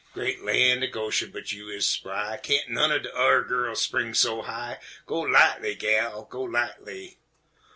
Gre't Lan' o' Goshen! but you is spry! Kain't none er de urr gals spring so high, Go lightly, gal, go lightly!